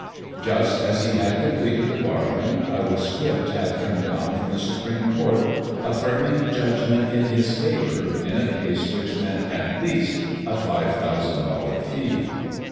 Just as he had completed the bargain a rescript had come down from the Supreme Court affirming judgment in his favor in a case which meant at least a five thousand dollar fee.